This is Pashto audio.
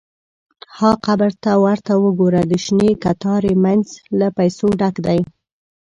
– ها قبر! ته ورته وګوره، د شنې کتارې مینځ له پیسو ډک دی.